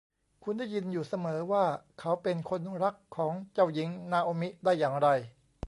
คุณได้ยินอยู่เสมอว่าเขาเป็นคนรักของเจ้าหญิงนาโอมิได้อย่างไร